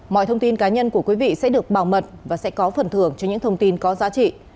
mọi thông tin cá nhân của quý vị sẽ được bảo mật và sẽ có phần thưởng cho những thông tin có giá trị